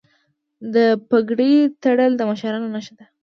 پګړۍ تړل د مشرانو نښه ده.